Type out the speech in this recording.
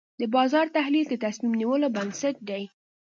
د بازار تحلیل د تصمیم نیولو بنسټ دی.